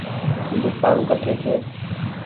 دوڪآن ڪٺي ڇي۔